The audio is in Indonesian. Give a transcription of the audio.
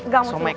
gak mau cilok